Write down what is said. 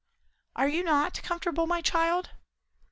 "Are you not comfortable, my child?"